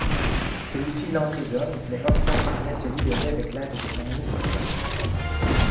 Celui-ci l'emprisonne, mais Octa parvient à se libérer avec l'aide de son ami Ossa.